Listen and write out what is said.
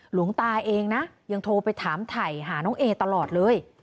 หลวงตาเองนะยังโทรไปถามถ่ายหาน้องเอตลอดเลย